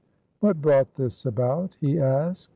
"What brought this about?" he asked.